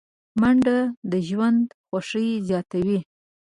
منډه د ژوند خوښي زیاتوي